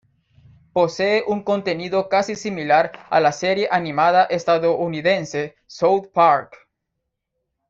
Posee un contenido casi similar a la serie animada estadounidense South Park.